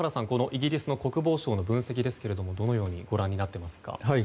イギリスの国防省の分析ですがどのようにご覧になっていますか。